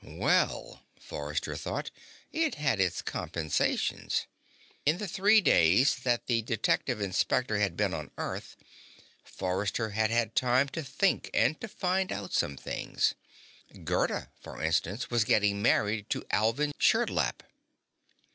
Well, Forrester thought, it had its compensations. In the three days that the Detective Inspector had been on Earth, Forrester had had time to think and to find out some things. Gerda, for instance, was getting married to Alvin Sherdlap.